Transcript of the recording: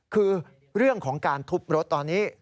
คือเรื่องของการทุบรถตอนนี้